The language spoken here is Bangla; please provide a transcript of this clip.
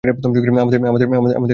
আমাদের পাশে থেকে লড়তে চাও?